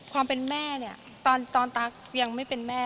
ความเป็นแม่เนี่ยตอนตั๊กยังไม่เป็นแม่